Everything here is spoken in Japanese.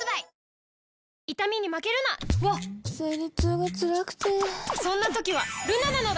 わっ生理痛がつらくてそんな時はルナなのだ！